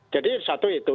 jadi satu itu